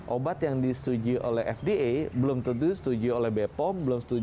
obat yang disetujui oleh fda belum tentu disetujui oleh bpom